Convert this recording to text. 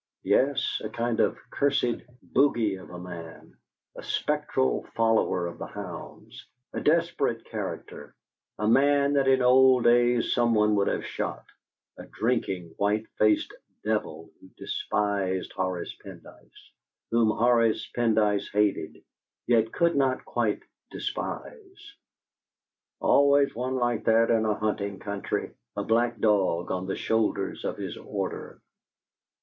Yes a kind of cursed bogey of a man, a spectral follower of the hounds, a desperate character a man that in old days someone would have shot; a drinking, white faced devil who despised Horace Pendyce, whom Horace Pendyce hated, yet could not quite despise. "Always one like that in a hunting country!" A black dog on the shoulders of his order.